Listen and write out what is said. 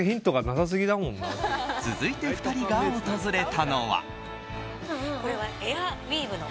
続いて２人が訪れたのは。